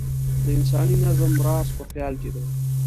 د انساني نظم راز په خیال کې دی.